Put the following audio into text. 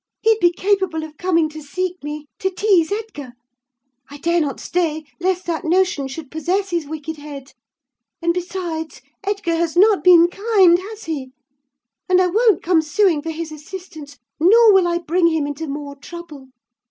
He'd be capable of coming to seek me, to tease Edgar. I dare not stay, lest that notion should possess his wicked head! And besides, Edgar has not been kind, has he? And I won't come suing for his assistance; nor will I bring him into more trouble.